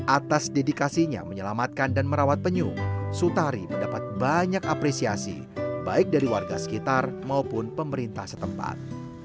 atas dedikasinya menyelamatkan dan merawat penyu sutari mendapat banyak apresiasi baik dari warga sekitar maupun pemerintah setempat